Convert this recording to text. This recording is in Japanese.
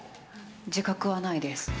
自覚はないです。